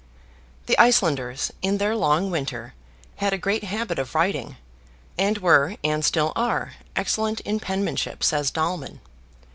The Icelanders, in their long winter, had a great habit of writing; and were, and still are, excellent in penmanship, says Dahlmann.